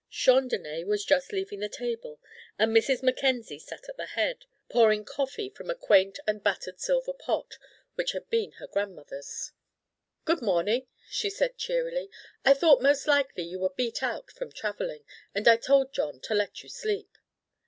Chandonnais was just leaving the table, and Mrs. Mackenzie sat at the head, pouring coffee from a quaint and battered silver pot which had been her grandmother's. "Good morning," she said cheerily, "I thought most likely you were beat out from travelling, and I told John to let you sleep."